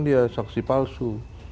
dia saksi palsu